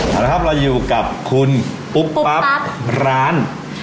เอาละครับเราอยู่กับคุณปุ๊บปั๊บร้าน